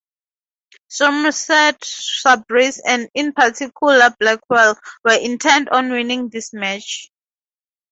Somerset Sabres, and in particular Blackwell, were intent on winning this match.